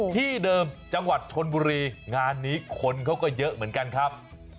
ที่เดิมจังหวัดชนบุรีงานนี้คนเขาก็เยอะเหมือนกันครับ